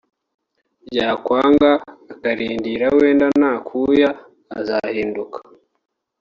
bya kwanga aka rindira wenda nakuya azahinduka